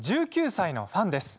１９歳のファンです。